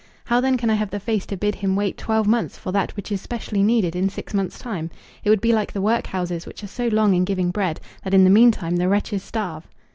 How then can I have the face to bid him wait twelve months for that which is specially needed in six months' time? It would be like the workhouses which are so long in giving bread, that in the mean time the wretches starve."